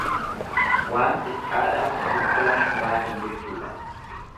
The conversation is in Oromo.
Waan xiqqaadhaaf guddaa hin baasan jechuudha.